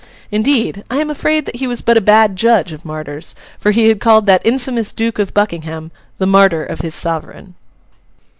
Indeed, I am afraid that he was but a bad judge of martyrs; for he had called that infamous Duke of Buckingham 'the Martyr of his Sovereign.